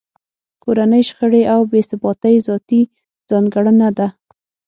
کورنۍ شخړې او بې ثباتۍ ذاتي ځانګړنه ده.